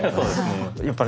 やっぱね